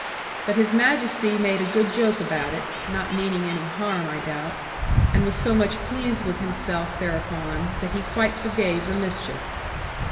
But His Majesty made a good joke about it (not meaning any harm, I doubt), and was so much pleased with himself thereupon, that he quite forgave the mischief.